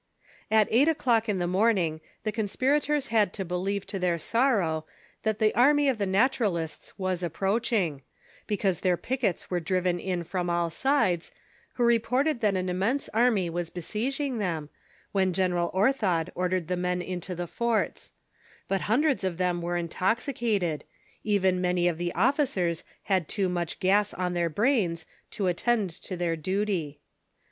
At eight o'clock in the morning the conspirators had. to believe to tlieir sorrow that the army of the Naturalists was approaching ; because their pickets were driven in from all sides, who reported that an immense army was besieging them, when General Orthod ordered the men into the forts ; but hundreds of them were intoxicated, even many of the officers had too much gas on their brains to attend to their duty.